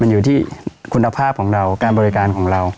มันอยู่ที่คุณภาพของเราการบริการของเรา